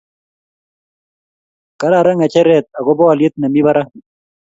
Kararan ngecheret ako bo olyet ne mi barak